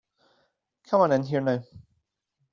Come on in here now.